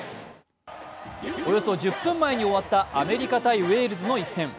およそ１０分前に終わったアメリカ×ウェールズの一戦。